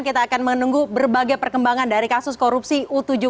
kita akan menunggu berbagai perkembangan dari kasus korupsi u tujuh belas